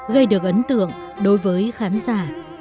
gây được ấn tượng đối với khán giả